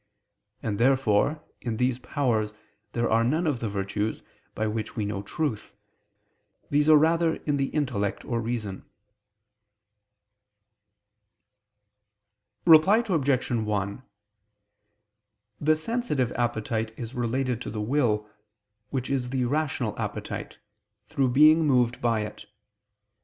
And therefore in these powers there are none of the virtues, by which we know truth: these are rather in the intellect or reason. Reply Obj. 1: The sensitive appetite is related to the will, which is the rational appetite, through being moved by it.